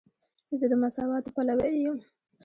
زه د مساواتو پلوی یم.